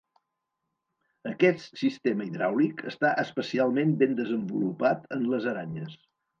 Aquest sistema hidràulic està especialment ben desenvolupat en les aranyes.